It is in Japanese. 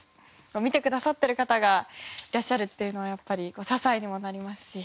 見てくださってる方がいらっしゃるっていうのはやっぱり支えにもなりますし。